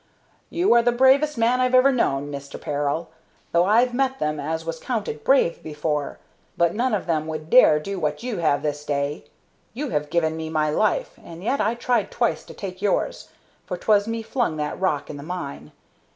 "You are the bravest man I've ever known, Mister Peril, though I've met them as was counted brave before; but none of them would dare do what you have this day. You have given me my life, and yet I tried twice to take yours, for 'twas me flung that rock in the mine.